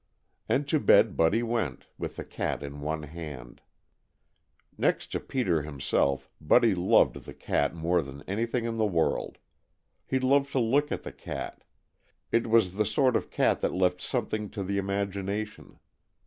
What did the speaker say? And to bed Buddy went, with the cat in one hand. Next to Peter himself Buddy loved the cat more than anything in the world. He loved to look at the cat. It was the sort of cat that left something to the imagination.